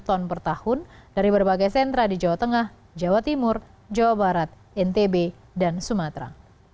tiga ratus tiga puluh tujuh ton per tahun dari berbagai sentra di jawa tengah jawa timur jawa barat ntb dan sumatera